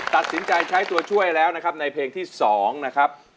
ตัดสินใจใช้ตัวช่วยแล้วนะครับในเพลงที่๒นะครับ